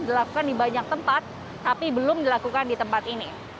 dilakukan di banyak tempat tapi belum dilakukan di tempat ini